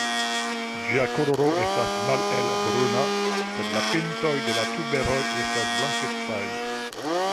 Ĝia koloro estas malhel-bruna sed la pintoj de la tuberoj estas blankecaj.